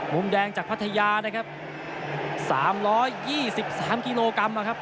มุมแดงจากพัทยานะครับสามร้อยยี่สิบสามกิโลกรัมอ่ะครับ